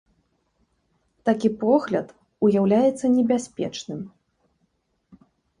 Такі погляд уяўляецца небяспечным.